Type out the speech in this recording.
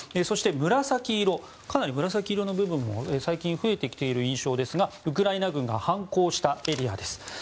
そして、紫色かなり紫色の部分が最近増えてきている印象ですがウクライナ軍が反攻したエリアです。